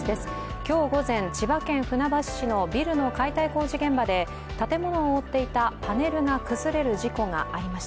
今日午前、千葉県船橋市のビルの解体工事現場で建物を覆っていたパネルが崩れる事故がありました。